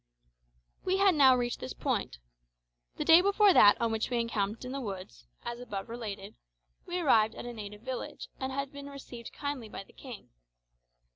We had now reached this point. The day before that on which we encamped in the woods, as above related, we arrived at a native village, and had been received kindly by the king.